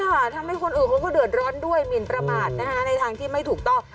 ค่ะทำให้คนอื่นเขาก็เดือดร้อนด้วยหมินประมาทนะคะในทางที่ไม่ถูกต้อง